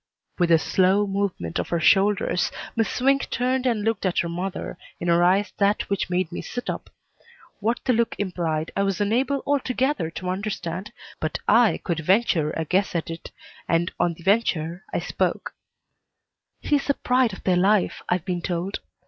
With a slow movement of her shoulders, Miss Swink turned and looked at her mother, in her eyes that which made me sit up. What the look implied I was unable altogether to understand, but I could venture a guess at it, and on the venture I spoke: "He's the pride of their life, I've been told.